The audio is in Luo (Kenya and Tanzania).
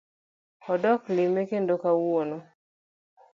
Odok lime kendo kawuono